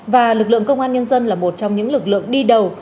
và lực lượng công an nhân dân là một trong những lực lượng đi đầu